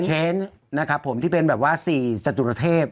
เชนนะครับผมที่เป็นแบบว่า๔จตุรเทพ